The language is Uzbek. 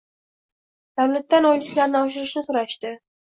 – davlatdan oyliklarni oshirishni so‘rashdi.